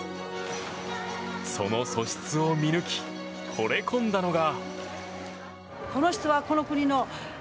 その素質を見抜きほれ込んだのが。